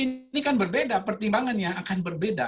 ini kan berbeda pertimbangannya akan berbeda